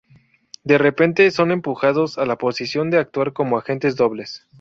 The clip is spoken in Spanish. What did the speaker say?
De repente son empujados a la posición de actuar como agentes dobles.